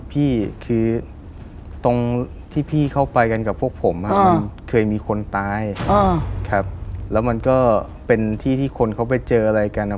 พี่คือตรงที่พี่เข้าไปกันกับพวกผมมันเคยมีคนตายครับแล้วมันก็เป็นที่ที่คนเขาไปเจออะไรกัน